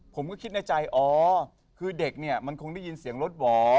ผมก็คิดในใจอ๋อคือเด็กเนี่ยมันคงได้ยินเสียงรถหวอ